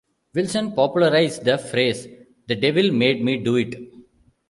Wilson popularized the phrase The devil made me do it.